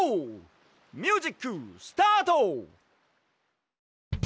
ミュージックスタート！